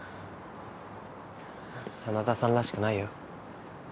真田さんらしくないよ。